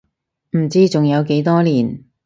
唔知仲有幾多年